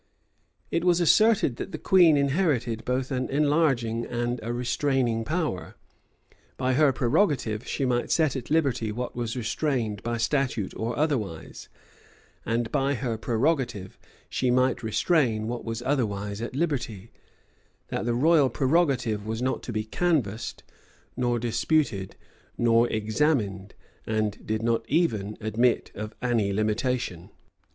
It was asserted that the queen inherited both an enlarging and a restraining power; by her prerogative she might set at liberty what was restrained by statute or otherwise, and by her prerogative she might restrain what was otherwise at liberty:[] that the royal prerogative was not to be canvassed, nor disputed, nor examined;[] and did not even admit of any limitation.